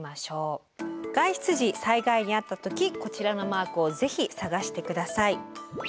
外出時災害に遭った時こちらのマークをぜひ探して下さい。